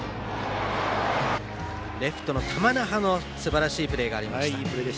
レフトの玉那覇のすばらしいプレーがありました。